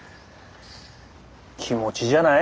気持ちじゃない？